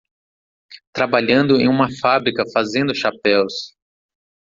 Trabalhando em uma fábrica fazendo chapéus